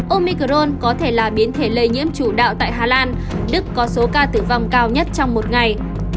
omicrone có thể là biến thể lây nhiễm chủ đạo tại hà lan đức có số ca tử vong cao nhất trong một ngày